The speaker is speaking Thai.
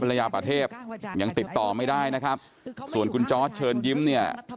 ระยะประเทศยังติดต่อไม่ได้นะครับส่วนคุณจอร์ดเชิญยิ้มเนี่ย